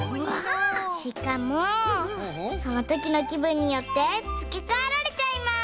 しかもそのときのきぶんによってつけかえられちゃいます！